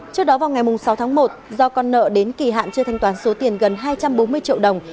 trước đó vào ngày sáu tháng một do con nợ đến kỳ hạn chưa thanh toán số tiền gần hai trăm bốn mươi triệu đồng